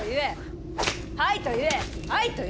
はいと言え。。。